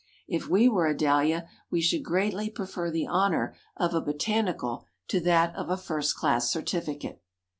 If we were a Dahlia, we should greatly prefer the honor of a 'Botanical,' to that of a 'First Class Certificate.'"